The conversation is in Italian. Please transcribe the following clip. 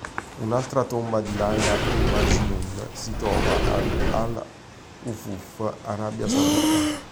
Un'altra tomba di Layla e Majnun si trova ad al-Hufūf, Arabia Saudita.